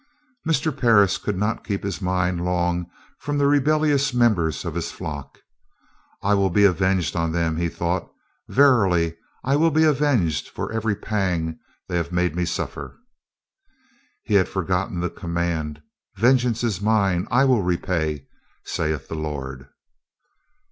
Mr. Parris could not keep his mind long from the rebellious members of his flock. "I will be avenged on them," he thought. "Verily, I will be avenged for every pang they have made me suffer." He had forgotten the command, "Vengeance is mine, I will repay, saith the Lord."